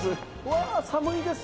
わあー寒いですね。